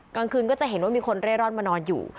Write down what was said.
กลางคืนก็จะเห็นว่ามีคนเร่ร่อนมานอนอยู่